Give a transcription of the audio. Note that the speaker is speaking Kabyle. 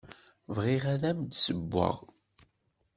Bɣiɣ ad am-d-ssewweɣ.